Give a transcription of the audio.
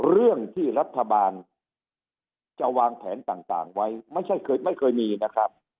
เรื่องที่รัฐบาลจะวางแผนต่างไว้ไม่ใช่ไม่เคยมีนะครับ